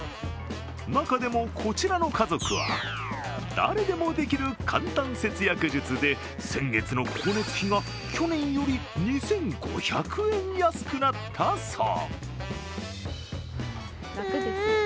中でも、こちらの家族は誰でもできる簡単節約術で先月の光熱費が去年より２５００円安くなったそう。